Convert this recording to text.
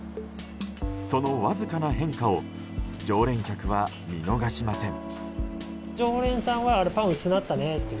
そのわずかな変化を常連客は見逃しません。